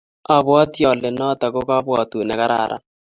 abwatii ale noto ko kabwatut ne kararan.